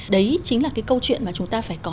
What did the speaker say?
đấy chính là cái câu chuyện mà chúng ta phải có